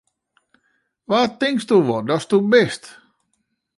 Wa tinksto wol datsto bist!